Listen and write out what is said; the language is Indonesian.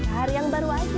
hari yang baru aja